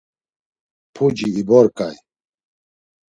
Puci iborǩay.